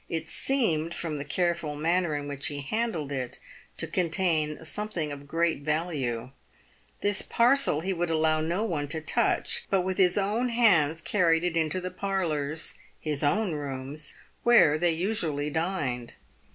It seemed, from the careful manner in which he handled it, to contain something of great value. This parcel he w r ould allow no one to touch, but with his own hands carried it into the parlours — his own rooms — where they usually dined.